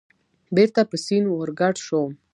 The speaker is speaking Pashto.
بېرته په سیند ورګډ شوم.